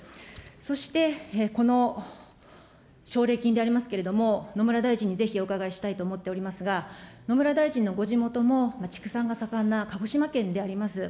そしてこの奨励金でありますけれども、野村大臣にぜひお伺いしたいと思っておりますが、野村大臣のご地元の畜産が盛んな鹿児島県であります。